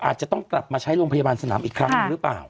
อาจจะต้องกลับมาใช้โรงพยาบาลสนามอีกครั้งหนึ่งหรือเปล่า